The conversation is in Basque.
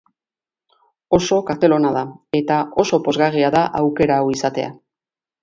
Oso kartel ona da, eta oso pozgarria da aukera hau izatea.